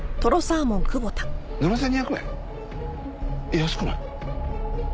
安くない？